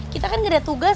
kita kan gak ada tugas